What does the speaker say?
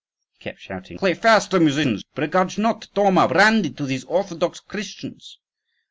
He kept shouting, "Play faster, musicians! Begrudge not, Thoma, brandy to these orthodox Christians!"